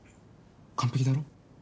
完璧だろ？